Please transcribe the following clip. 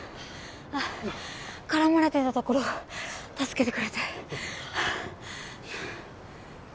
あっ絡まれてたところを助けてくれて。